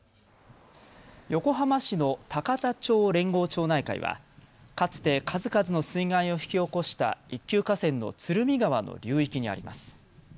横浜市の高田町連合町内会はかつて数々の水害を引き起こした一級河川の鶴見川の流域にあります。